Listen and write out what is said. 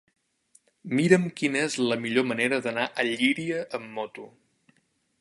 Mira'm quina és la millor manera d'anar a Llíria amb moto.